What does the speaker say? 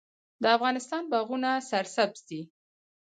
د افغانستان باغونه سرسبز دي